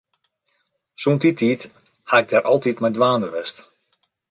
Sûnt dy tiid ha ik dêr altyd mei dwaande west.